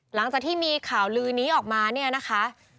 หลังจากที่มีข่าวลือนี้ออกมาเนี่ยนะคะ